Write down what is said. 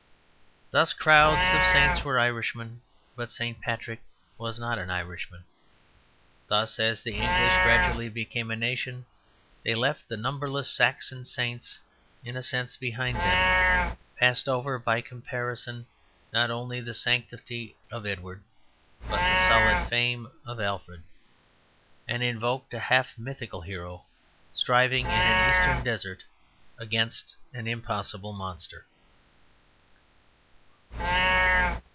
Thus crowds of saints were Irishmen, but St. Patrick was not an Irishman. Thus as the English gradually became a nation, they left the numberless Saxon saints in a sense behind them, passed over by comparison not only the sanctity of Edward but the solid fame of Alfred, and invoked a half mythical hero, striving in an eastern desert against an impossible monster.